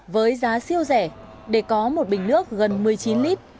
với giá siêu rẻ để có một bình nước gần một mươi chín lít